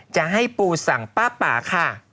จะให้ปูสั่งป้าป่าค่ะ